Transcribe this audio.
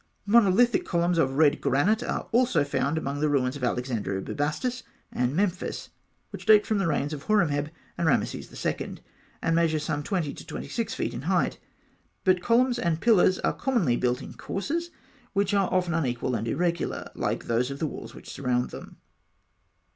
Monolithic columns of red granite are also found among the ruins of Alexandria, Bubastis, and Memphis, which date from the reigns of Horemheb and Rameses II., and measure some 20 to 26 feet in height. But columns and pillars are commonly built in courses, which are often unequal and irregular, like those of the walls which surround them.